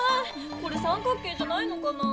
これ三角形じゃないのかなぁ？